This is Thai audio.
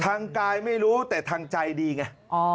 ทางกายไม่รู้แต่ทางใจดีไง